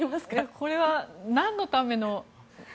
これはなんのための。